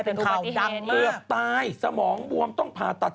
เป็นข่าวดังเลยเกือบตายสมองบวมต้องผ่าตัด